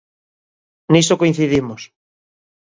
Niso coincidimos.